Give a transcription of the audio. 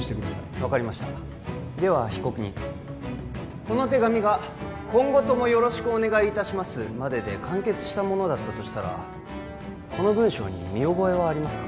分かりましたでは被告人この手紙が「今後とも宜しくお願い致します」までで完結したものだったとしたらこの文章に見覚えはありますか？